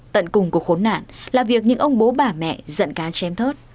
tận cùng của khốn nạn là việc những ông bố bà mẹ dẫn cá chém thớt